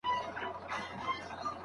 که وروستۍ بڼه وکتل سي د بدلون چانس کمیږي.